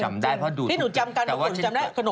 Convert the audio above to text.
จำได้เพราะดูทุกคน